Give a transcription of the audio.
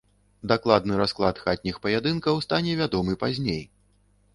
Дакладны расклад хатніх паядынкаў стане вядомы пазней.